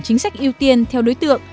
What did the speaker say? chính sách ưu tiên theo đối tượng